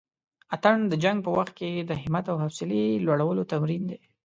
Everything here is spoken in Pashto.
اتڼ د جنګ په وخت کښې د همت او حوصلې لوړلو تمرين دی.